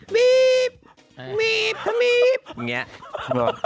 มีบแบมมีบ